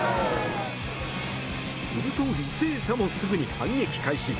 すると履正社もすぐに反撃開始。